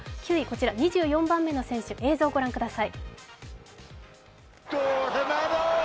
９位、２４番目の選手、映像を御覧ください。